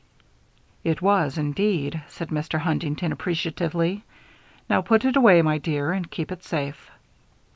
"It was, indeed," said Mr. Huntington, appreciatively. "Now, put it away, my dear, and keep it safe."